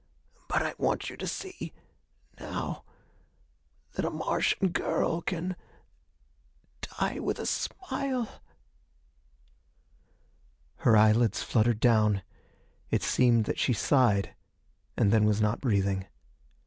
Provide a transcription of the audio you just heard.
But I want you to see now that a Martian girl can die with a smile " Her eyelids fluttered down: it seemed that she sighed and then was not breathing.